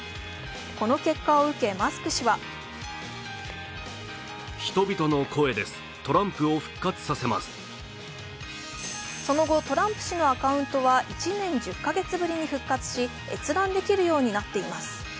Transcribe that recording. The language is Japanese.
この結果を受け、マスク氏はその後、トランプ氏のアカウントは１年１０か月ぶりに復活し閲覧できるようになっています。